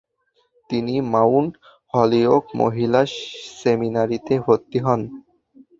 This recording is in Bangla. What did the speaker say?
তিনি মাউন্ট হলিওক মহিলা সেমিনারীতে ভর্তি হন ।